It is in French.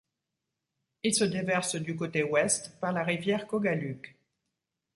Ils se déversent du côté ouest, par la rivière Kogaluc.